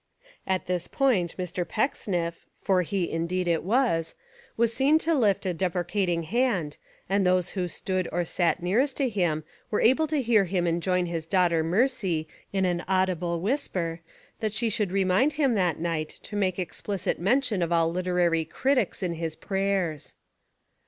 At this point Mr. Pecksniff, for he indeed It was, was seen to lift a deprecating hand and those who stood or sat nearest to him were able to hear him enjoin his daughter Mercy in an audible whisper that she should remind him that night to make explicit mention of all literary critics in his prayers.